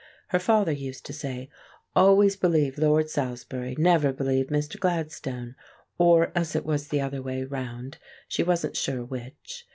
Her father used to say: "Always believe Lord Salisbury; never believe Mr. Gladstone"—or else it was the other way round, she wasn't sure which.